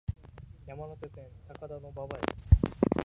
山手線、高田馬場駅